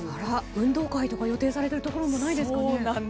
運動会とか予定されているところもないですかね。